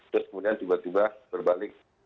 terus kemudian tiba tiba berbalik